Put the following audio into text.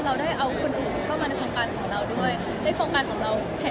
เราได้เอาคนอื่นเข้ามาในโครงการของเราด้วย